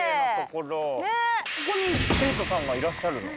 ここに生徒さんがいらっしゃるの？